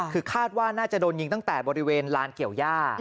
คือคาดว่าน่าจะโดนยิงตั้งแต่บริเวณลานเกี่ยวย่า